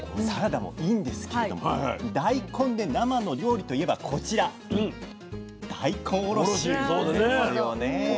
サラダもいいんですけれども大根で生の料理といえばこちら大根おろしですよね。